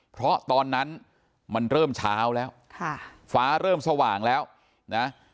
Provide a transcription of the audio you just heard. เพราะตอนนั้นมันเริ่มเช้าแล้วฟ้าเริ่มสว่างแล้วนะ